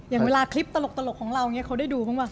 อย่างเวลาคลิปตลกของเราเนี่ยเขาได้ดูเพราะว่า